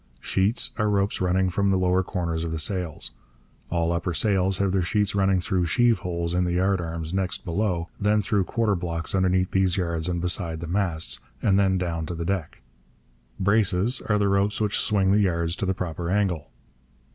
Sheets are ropes running from the lower corners of sails. All upper sails have their sheets running through sheave holes in the yardarms next below, then through quarter blocks underneath these yards and beside the masts, and then down to the deck. Braces are the ropes which swing the yards to the proper angle.